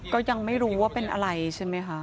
ก็ยังไม่รู้ว่าเป็นอะไรใช่ไหมคะ